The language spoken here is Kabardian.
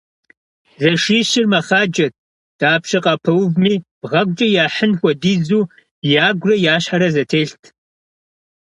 Зэшищыр мэхъаджэт, дапщэ къапэувми бгъэгукӀэ яхьын хуэдизу ягурэ я щхьэрэ зэтелът.